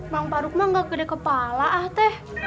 bang faruk mah nggak gede kepala ah teh